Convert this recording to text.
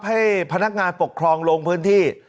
ให้พนักงานปกครองลงพื้นที่